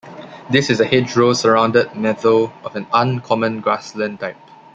This is a hedgerow-surrounded meadow of an uncommon grassland type.